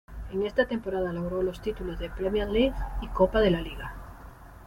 En esta temporada logró los títulos de Premier League y Copa de la Liga.